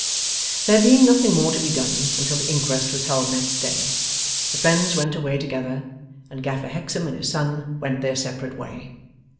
There being nothing more to be done until the Inquest was held next day, the friends went away together, and Gaffer Hexam and his son went their separate way.